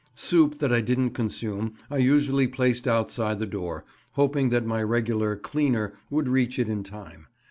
Soup that I didn't consume I usually placed outside the door, hoping that my regular "cleaner" would reach it in time.